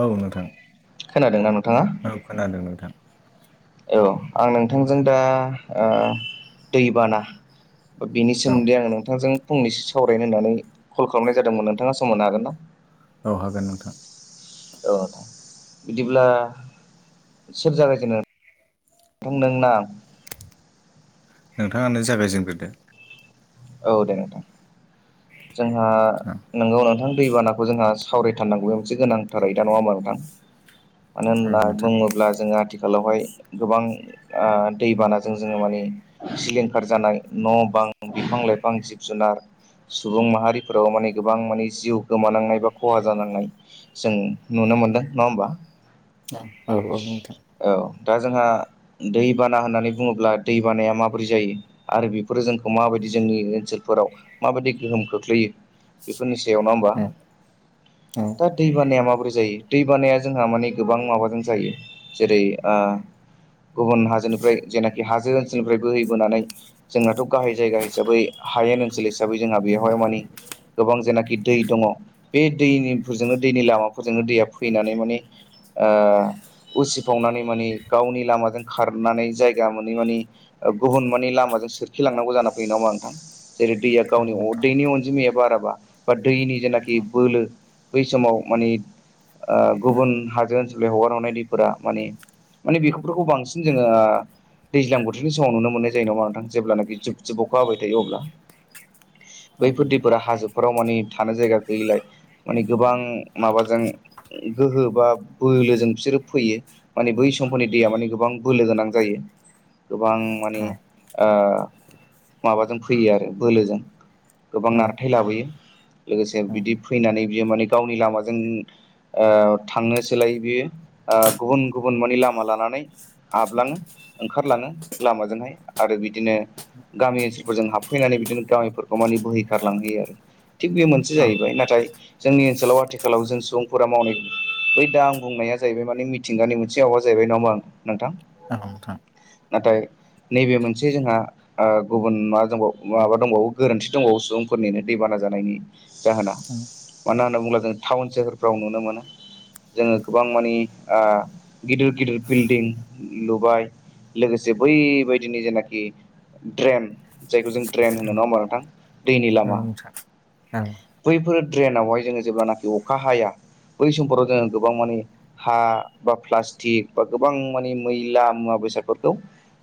औ नोंथां खोनादोंना नोंथाङा? औ खोनादों नोंथां। औ आं नोंथांजों दा ओ दैबाना बिनि औ सोमोन्दै आङो नोंथांजों फंनैसो सावरायनो होननानै कल खालामनाय जादोंमोन नोंथाङा सम होनो हागोन ना? औ हागोन नोंथां। औ बिदिब्ला सोर जागाय जेननो? बुं नों नाम। नोंथाङानो जागायजेनग्रोदो। औ दे नोंथां जोंहा औ नोंगौ नोंथां दैबानाखौ जोंहा सावरायथारनांगौ बे मोनसे गोनांथार आयदा नङा होमबा नोंथां। मानो औ होनब्ला नोंथां बुङोब्ला जोङो आथिखालावहाय गोबां आ दैबानाजों जोङो माने सिलिंखार जानाय न' बां, बिफां लाइफां, जिब जुनार सुबुं माहारिफोराव माने गोबां माने जिउ गोमानांनाय बा खहा जानांनाय जों नुनो मोनदों नङा होमबा। औ औ नोंथां औ दा जोंहा दैबाना होननानै बुङोब्ला दै बानाया माबोरै जायो आरो बेफोरो जोंखौ माबायदि जोंनि ओनसोलफोराव माबायदि गोहोम खोख्लैयो बेफोरनि सायाव नङा होमबा। औ औ दा दै बानाया माबोरै जायो दै बानाया जोंहा माने गोबां माबाजों जायो जेरै ओ गुबुन हाजोनिफ्राय जेनाखि हाजो ओनसोलनिफ्राय बोहैबोनानै जोंनाथ' गाहाय जायगा हिसाबै हायेन ओनसोल हिसाबै जोंहा बेवहाय माने गोबां जेनाखि दै दङ बे दैनिफोरजोंनो दैनि लामाफोरजोंनो दैया फैनानै माने ओ उसिफावनानै माने गावनि लामाजों खारनानै जायगा मोनैनानै गुबुन माने लामाजों सोरखिलांनांगौ जाना फैयो नङा होनबा नोंथां जेरै दैया औ गावनि अ नोंथां दैनि अनजिमाया बाराबा बा दैनि जेनाखि बोलो बै समाव माने ओ गुबुन हाजो ओनसोलनि हगार हरनाय दैफोरा माने माने बेखौफोरखौ बांसिन जोङो दैज्लां बोथोरनि समाव नुनो मोननाय जायो नङा नोंथां जेब्लानाखि जुब जुब अखा हाबाय थायो अब्ला। औ बैफोर नोंथां दैफोरा हाजो फोराव माने थानो जायगा गैयिलाय माने गोबां माबाजों गोहो बा बोलोजों बिसोरो फैयो माने बै समफोरनि दैया माने गोबां बोलो गोनां जायो। गोबां माने औ ओ माबाजों फैयो आरो बोलोजों। गोबां औ नारथाय लाबोयो लोगोसे औ बिदि फैनानै बियो माने गावनि लामाजों ओ थांनो सोलाय बियो ओ गुबुन गुबुन माने लामा लानानै हाबलाङो ओंखारलाङो लामाजोंहाय आरो बिदिनो गामि ओनसोलफोरजों हाबफैनानै बिदिनो गामिफोरखौ माने बोहैखारलांहोयो आरो। थिग बेयो मोनसे औ जाहैबाय। नाथाय जोंनि ओनसोलाव आथिखालाव जों सुबुंफोरा मावनाय बै दा आं बुंनाया जाहैबाय माने मिथिंगानि मोनसे माबा जाहैबाय नाङा ओमबा नोंथां। औ नोंथां नाथाय नैबे मोनसे जोंहा गुबुन मा दंबावो माबा दंबावो गोरोन्थि दंबावो सुबुंफोरनिनो दैबाना जानायनि जाहोना। [inaudible] मानो होनना बुङोब्ला जों टाउन सोहोरफ्राव नुनो मोनो जोङो गोबां मानि गिदिर गिदिर बिल्डिं लुबाय। लोगोसे बैबायदिनो जेनाखि ड्रेन जायखौ जों ड्रेन औ होनो औ नङा हबा नोंथां? दैनि लामा। औ नोंथां औ नोंथां बैफोर ड्रेनावहाय जोङो जेब्लानाखि अखा हाया बै समफोराव जोङो गोबां माने हा बा प्लास्टिक बा गोबां माने मैला मुवा बेसादफोरखौ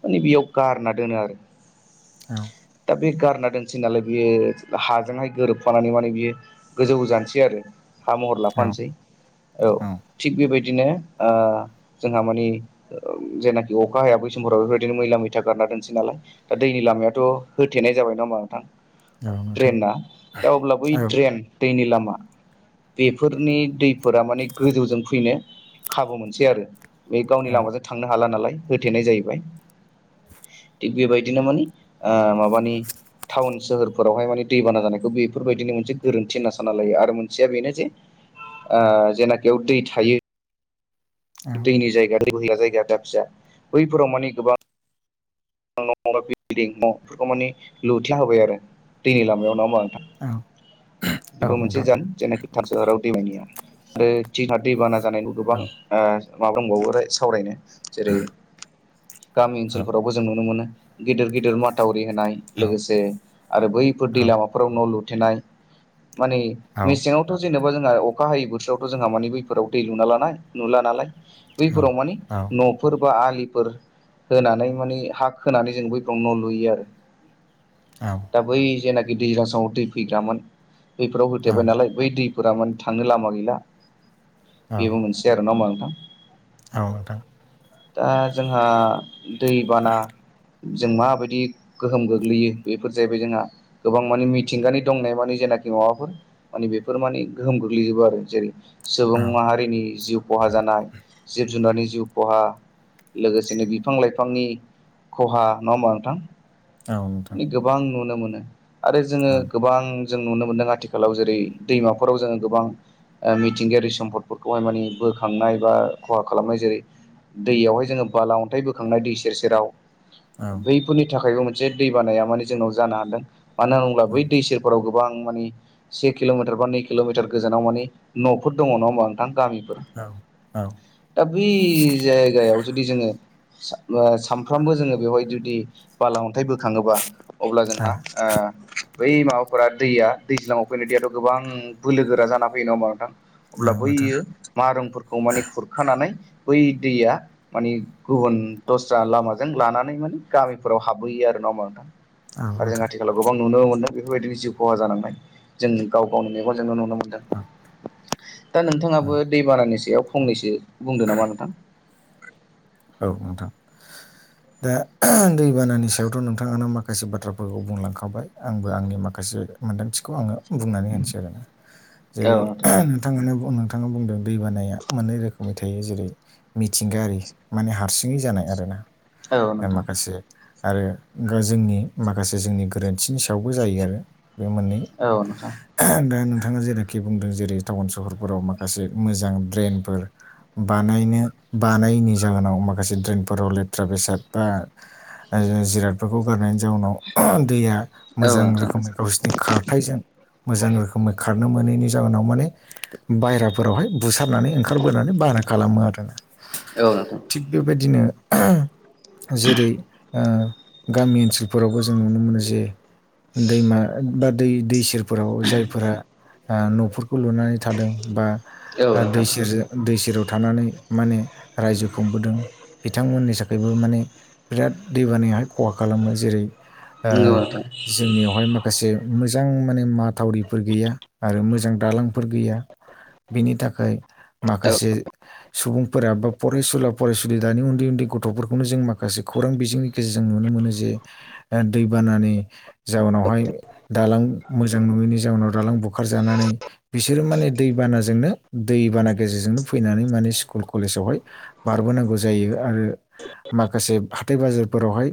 माने बेयाव गारना दोनो आरो। दा बे गारना दोनसै नालाय बेयो हाजोंहाय गोरोबफानानै माने बेयो गोजौ जानोसै आरो हा महर लाफानोसै औ। थिग बेबायदिनो ओ जोंहा माने जेनाखि अखा हाया बै समफोराव बेफोरबायदिनो मैला मैथा गारना दोनसै नालाय। दा दैनि लामायाथ' होथेनाय जाबाय नङा होमबा नोंथां? ड्रेना दा अब्ला बै ड्रेन दैनि लामा, बेफोरनि दैफोरा माने गोजौजों फैनो खाबु मोनसै आरो बे गावनि लामाजों थांनो हाला नालाय होथेनाय जाहैबाय। थिग बेबायदिनो माने ओ माबानि टाउन सोहोरफोरावहाय माने दैबाना जानायखौ बेफोरबायदिनि मोनसे गोरोन्थि होनना सानना लायो आरो मोनसेया बेनो जे जेनाखियाव दै थायो। दैनि जायगा दै बोहैया जायगा दाबसेया बैफोराव माने गोबां ना बिल्डिं न' बेफोरखौ माने लुथेना होबाय आरो दैनि लामायाव नङा होमबा नोंथां? बेबो मोनसे जाहोन। जेनाखि थान सोहोराव दैमायानो गैया आरो जोंहा दैबाना जानायनिबो गोबां माबा दंबावो सावरायनो जेरै गामि ओनसोलफोरावबो जों नुनो मोनो गिदिर गिदिर माथावरि होनाय लोगोसे आरो बैफोर दै लामा फोराव न' लुथेनाय। माने मेसेङाव थ' जेनेबा जोंहा अखा हायै बोथोरावथ' जोंहा माने बैफोराव दै लुना लानाय नुला नालाय। बैफोराव मानि न' फोर बा आलिफोर होनानै माने हा होनानै जों बैफोर न' लुयो आरो। [unintelligible] औ। दा बै जेनाखि दैज्लां समाव दै फैग्रामोन बैफोराव होथेबाय नालाय। बै दैफोरा माने थांनो लामा गैला बेबो मोनसे आरोना होमबा नोंथां? औ नोंथां दा जोंहा दैबाना जों माबायदि गोहोम गोग्लैयो बेफोर जाहैबाय जोंहा गोबां मानिे मिथिंगानि दंनाय मानि जेनाखि माबाफोर माने बेफोर माने गोहोम गोग्लैजोबो आरो जेरै सुबुं माहारिनि जिउ खहा जानाय जिब जुनारनि जिउ खहा लोगोसेनो बिफां लाइफांनि खहा नङा होमबा नोंथां? औ नोंथां माने गोबां नुनो मोनो आरो जोङो गोबां जों नुनो मोन्दों आथिखालाव जेरै दैमाफोराव जोङो गोबां ओ मिथिंगायारि सम्दफोरखौहाय माने बोखांनाय बा खहा खालामनाय जेरै दैयावहाय जोङो बाला अन्थाइ बोखांनाय दै सेर सेराव औ बै फोरनि थाखायबो मोनसे दै बानाया माने जोंनाव जानो हादों मानो होनोब्ला बै औ दै सेरफोराव गोबां मानि से किल'मिटार बा नै किल'मिटार गोजानाव मानि न'फोर दङ ना होमा नोंथां गामिफोर औ औ दा बै जायगायाव जुदि जोङो सा ओ सानफ्रामबो जोङो बेवहाय जुदि बाला अन्थाइ बोखाङोबा अब्ला औ जोंहा आ बै माबाफोरा दैया दैज्लाङाव फैनो दैयाथ' गोबां बोलो गोरा जाना फैयो नङा होमबा नोंथां? औ अब्ला नोंथां बैयो मारोमफोरखौ माने खुरखानानै बै दैया मानि गुबुन दस्रा लामाजों लानानै माने गामिफोराव हाबहैयो आरो ना होमबा नोंथां? औ आरो जों नोंथां आथिखालाव गोबां नुनो मोनदों बेफोरबायदिनो जिउ खहा जानांनाय जों गाव गावनि मेगनजोंनो नु नो मोनदों। औ दा औ नोंथाङाबो दैबानानि सायाव फंनैसो बुंदों नामा नोंथां। औ नोंथां [unintelligible] दा दैबानानि सायावथ' नोंथाङा माखासे बाथ्राफोरखौ बुंलांखाबाय आंबो आंनि माखासे मोन्दांथिखौ आङो बुंनानै होनोसै आरो औ जेरै नोंथां नोंथाङानो नोंथाङा बुंदों दैबानाया मोननै रोखोमनि थायो जेरै मिथिंगायारि माने हारसिङै जानाय आरो ना औ ओ नोंथां माखासे आरो जोंनि माखासे जोंनि गोरोन्थिनि सायावबो जायो आरो बे मोननै औ नोंथां दा नोंथाङा जेरनाखि बुंदों जेरै टाउन सहरफोराव माखासे मोजां ड्रेनफोर बानायनो बानायनि जाहोनाव माखासे दड्रेनफोराव लेथ्रा बेसाद बा ओ जिरादफोरखौ गारनायनि जाउनाव दैया औ मोजां नोंथां रोखोमै गावसोरनि खारथायजों मोजां रोखोमै खारनो मोनैनि जाहोनाव माने बायेराफोरावहाय बुसारनानै ओंखारबोनानै बारा खालामो आरो ना। औ नोंथां थिग बेबायदिनो जेरै ओ गामि ओनसोल फोरावबो जों नुनो मोनो जे दैमा बा दै दै सेरफोराव जायफोरा आ न'फोरखौ लुनानै थादों बा औ दै नोंथां सेरजों दै सेराव थानानै माने रायजो खुंबोदों बिथांमोननि थाखायबो माने बिराद दै बानाया खहा खालामो जेरै ओ नंगौ नोंथां जोंनियावहाय मा माखासे मोजां माने माथावरिफोर गैया आरो मोजां दालांफोर गैया। बिनि थाखाय माखासे सुबुंफोरा बा प फरायसुला फरायसुलि दानि उन्दै उन्दै गथ'फोरखौनो जों माखासे खौरां बिजोंनि गेजेरजों नुनो मोनो जे ओ दै बानानि जाउनावहाय दालां मोजां नङैनि जाउनाव दालां बुखारजानानै बिसोरो माने दैबानाजोंनो दैबाना गेजेरजोंनो फैनानै माने स्कुल कलेजावहाय बारबोनांगौ जायो आरो माखासे हाथाय बाजारफोरावहाय।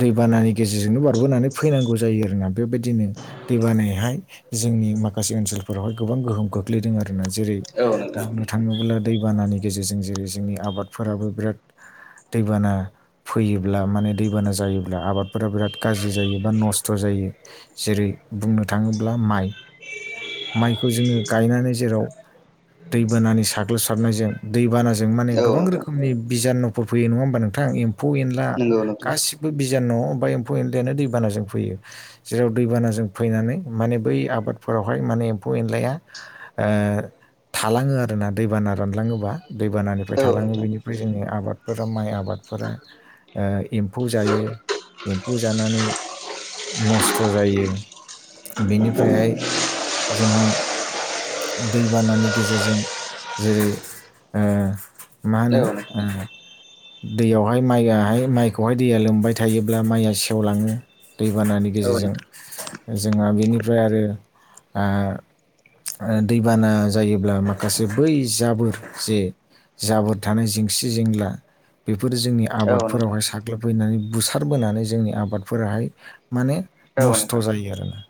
दैबानानि गेजेरजोंनो बारबोनानै फैनांगौ जायो आरोना बेबायदिनो दैबानायहाय जोंनि माखासे ओनसोलफोरावहाय गोबां गोहोम गोख गोग्लैदों आरोना जेरै औ औ नोंथां बुंनो थाङोब्ला दैबानानि गेजेरजों जेरै जोंनि आबादफोराबो बिराद दैबाना। फैयोब्ला माने दैबाना जायोब्ला आबादफोरा बिराद गाज्रि जायो बा नस्थ जायो। जेरै बुंनो थाङोब्ला माइ। माइखौ जोङो गायनानै जेराव दैबानानि साग्लोबसारनायजों दैबाना। जों माने औ गोबां नोंथां रखोमनि बिजानुफोर फैयो नङा हबा नोंथां एम्फौ एनला नंगौ नोंथां गास बो बिजान ओमफाय एम्फौ एनलैयानो दैबानाजों फैयो। जेराव दैबानाजों फैनानै माने बै आबादफोरावहाय माने एम्फौ एनलाया। ओ-थालाङो आरोना दैबाना रानलाङोबा। औ नोंथां दैबानानिफ्राय औ नोंथां औ नोंथां औ थालाङो बेनिफ्राय जोंनि आबाद। फोराव माइ आबादफोरा आ एम्फौ जायो एम्फौ जानानै। नस्थ जायो बेनिफ्रायहाय जोंहा। दैबानानि गेजेरजों जेरै। ओ मा होनो नोंथां ओ दैयावहाय माइआहाय माइखौहाय दैया लोमबाय थायोब्ला माइया सेवलाङो। दैबानानि औ गेजेरजों नोंथां जोंहा बेनिफ्राय आरो ओ ओ दैबाना जायोब्ला माखासे बै जाबोर जे जाबोर थानाय जेंसि जेंला। बेफोरो जोंनि औ नोंथां औ नोंथां आबादफोरावहाय साग्लोबहैनानै बुसारबोनानै जोंनि आबादफोराहाय। माने औ नस्थ नोंथां जायो आरोना।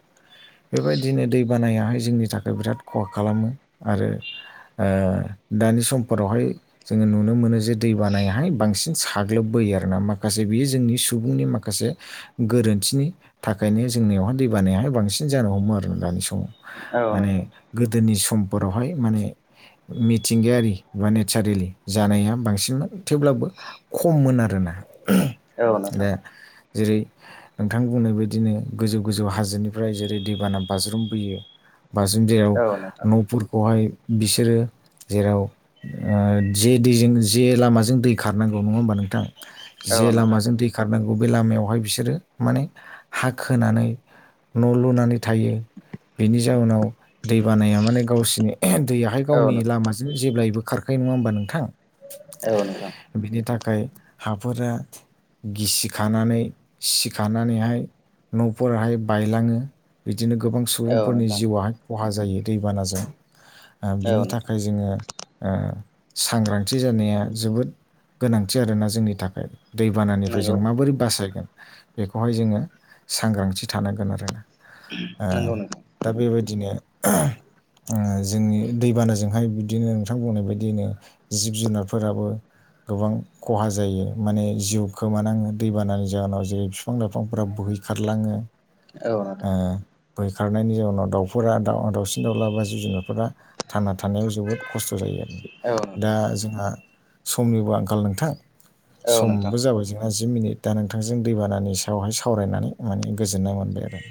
बेबायदिनो दै बानायाहाय जोंनि थाखाय बिराद खहा खालामो आरो। ओ-दानि समफोरावहाय। जोङो नुनो मोनो जे दैबानायाहाय बांसिन साग्लोबबोयो आरोना माखासे बियो जोंनि सुबुंनि माखासे। गोरोन्थिनि थाखायनो जोंनियावहाय दै बानायाहाय बांसिन जानो हमो आरो दानि समाव। औ नोंथां औ नोंथां माने गोदोनि समफोरावहाय माने मि थिंगायारि बा नेचारेलि जानाया बांसिनमोन थेवब्लाबो। खममोन आरोना। औ नोंथां दा जेरै नोंथां बुंनाय बायदिनो गोजौ गोजौ हाजोनिफ्राय जेरै दैबाना बाज्रुमबोयो। बांसिन जेराव औ नफोरखौहाय बिसोरो। जेराव ओ-जे दैजों जे लामाजों दै खारनांगौ नङा होमबा नोंथां। जे लामाजों दै खारनांगौ बे लामायावहाय बिसोरो माने हा खोनानै। न लुनानै थायो। बेनि जाउनाव दै बानाया माने गावसिनि दैयाहाय गावनि। लामाजों जेब्लायबो खारखायो नङा होनोमबा नोंथां। बिनि थाखाय हाफोरा। गिसि खानानै सिखानानैहाय नफोराहाय बायलाङो। बिदिनो गोबां सुबुंफोरनि नोंथां जिउआहाय खहा जायो दैबानाजों ओ-बिनि औ थाखाय नोंथां जोङो ओ-सांग्रांथि जानाया जोबोद। गोनांथि आरोना जोंनि थाखाय दैबानानिफ्राय नंगौ जों माबोरै बासायगोन। बेखौहाय जोङो सांग्रांथि थानांगोन आरोना। ओ नंगौ नोंथां दा बेबायदिनो जोंनि दैबाना जा ओजोंहाय बिदिनो नोंथां बुंनाय बायदिनो जिब जुनारफोराबो। गोबां खहा जायो माने जिउ खोमानाङो दैबानानि जाहोनाव जे बिफां लाइफांफोरा बोहैखारलाङो औ ओ नोंथां बोहैखारनायनि जाउनाव दाउफोरा द दावसिन दाउला बा जिब जुनारफोरा थांना थानायाव जोबोद खस्थ' जायो औ दा नोंथां जोंहा समनिबो आंखाल नोंथां। औ सम नोंथां बो जाबाय जोंना जि मिनिट दा नोंथांजों दै बानानि सायावहाय सावरायनानै। माने गोजोननाय मोनबाय आरो।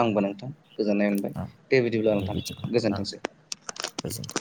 आंबो नोंथां गोजोननाय मोनबाय औ दे बिदिब्ला' नोंथां गोजोन्थोंसै। गोजोनथों।